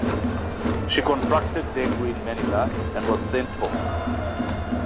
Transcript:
She contracted dengue in Manila, and was sent home.